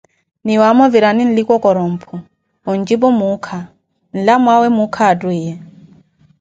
Niwaamo virani nlikokoroh mphu, onjipuh muukha, nlamwaawe muukha wa twiiye.